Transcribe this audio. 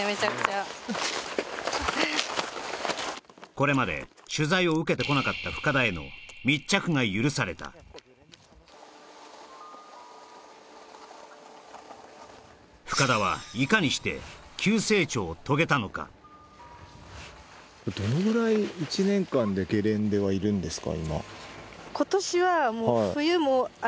これまで取材を受けてこなかった深田への密着が許された深田はどのぐらい１年間でゲレンデはいるんですか？